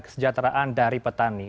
kesejahteraan dari petani